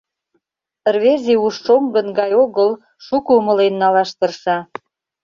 Рвезе уш шоҥгын гай огыл, шуко умылен налаш тырша.